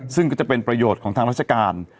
ซึ่งก็จะเป็นประโยชน์ของทางราชการ